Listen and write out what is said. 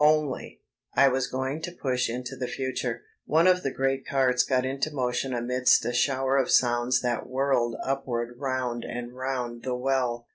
Only, I was going to push into the future. One of the great carts got into motion amidst a shower of sounds that whirled upward round and round the well.